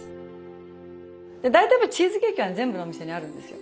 大体チーズケーキは全部のお店にあるんですよ。